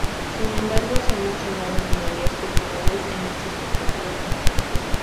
Sin embargo, se han observado anomalías culturales en esta expectativa general.